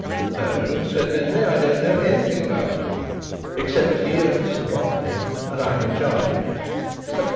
"No," said Denry, "I don't know anything about him, except that he owns some property and I'm in charge of it.